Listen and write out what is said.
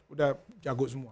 udah jago semua